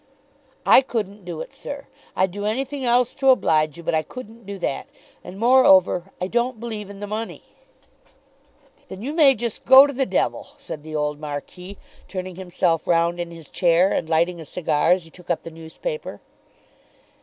"I couldn't do it, sir. I'd do anything else to oblige you, but I couldn't do that. And, moreover, I don't believe in the money." "Then you may just go to the devil," said the old Marquis turning himself round in his chair, and lighting a cigar as he took up the newspaper.